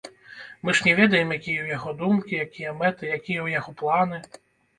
Мы ж не ведаем, якія ў яго думкі, якія мэты, якія ў яго планы.